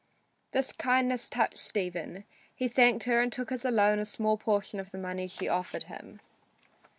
This kindness touched Stephen. He thanked her and took as a loan a small portion of the money she offered him.